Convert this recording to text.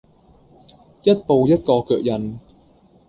一步一個腳印